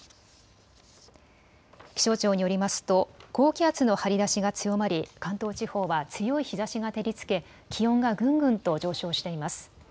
気象庁によりますと高気圧の張り出しが強まり関東地方は強い日ざしが照りつけ気温がぐんぐんと上昇しています。